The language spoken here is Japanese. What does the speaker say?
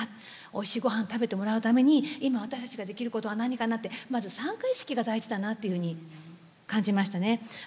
おいしいごはん食べてもらうために今私たちができることは何かなってまず参加意識が大事だなっていうふうに感じましたね。